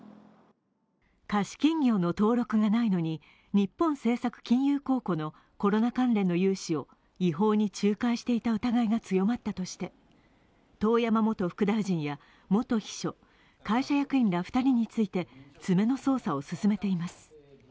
貸金業の登録がないのに日本政策金融公庫のコロナ関連の融資を違法に仲介していた疑いが強まったとして遠山元副大臣や元秘書、会社役員ら２人について詰めの捜査を進めています。